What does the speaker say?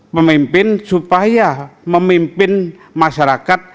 memimpin supaya memimpin masyarakat